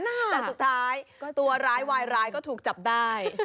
แต่สุดท้ายตัวร้ายวายร้ายก็ถูกจับได้